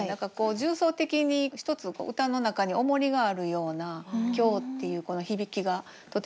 重層的に一つ歌の中におもりがあるような「今日」っていうこの響きがとても好きでした。